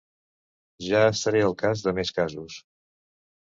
Ja estaré al cas de més casos.